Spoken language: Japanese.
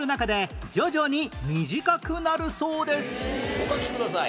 お書きください。